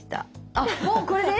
あっもうこれで⁉